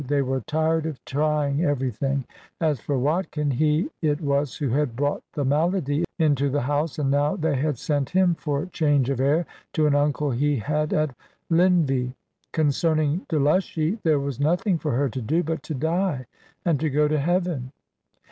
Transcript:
They were tired of trying everything. As for Watkin, he it was who had brought the malady into the house, and now they had sent him for change of air to an uncle he had at Llynvi. Concerning Delushy, there was nothing for her to do, but to die, and to go to heaven.